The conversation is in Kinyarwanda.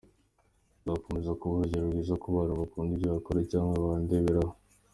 Nzakomeza kuba urugero rwiza ku bana bakunda ibyo nkora cyangwa bandeberaho.